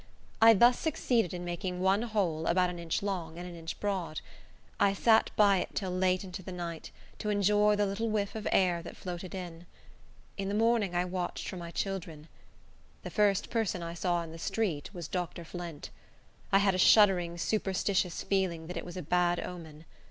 I thus succeeded in making one hole about an inch long and an inch broad. I sat by it till late into the night, to enjoy the little whiff of air that floated in. In the morning I watched for my children. The first person I saw in the street was Dr. Flint. I had a shuddering, superstitious feeling that it was a bad omen.